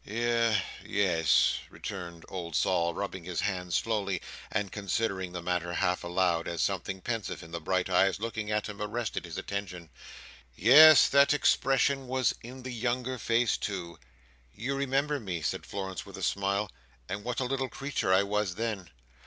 "Ye—yes," returned old Sol, rubbing his hands slowly, and considering the matter half aloud, as something pensive in the bright eyes looking at him arrested his attention. "Yes, that expression was in the younger face, too!" "You remember me," said Florence with a smile, "and what a little creature I was then?"